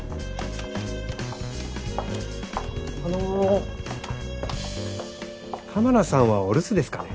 あの玉名さんはお留守ですかね？